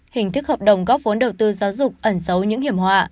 hình thức hợp đồng góp vốn đầu tư giáo dục ẩn xấu những hiểm họa